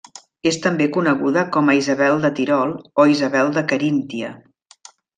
És també coneguda com a Isabel de Tirol o Isabel de Caríntia.